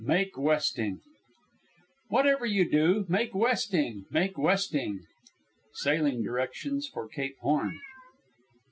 MAKE WESTING Whatever you do, make westing! make westing! Sailing directions for Cape Horn.